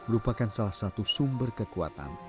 merupakan salah satu sumber kekuatan